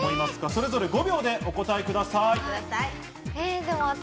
それぞれ５秒でお答えくだ私